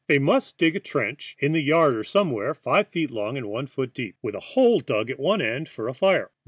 They must dig a trench, in the yard or somewhere, five feet long and one foot deep, with a hole dug at one end for a fire.